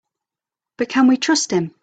But can we trust him?